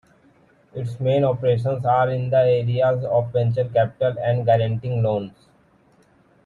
Its main operations are in the areas of venture capital and guaranteeing loans.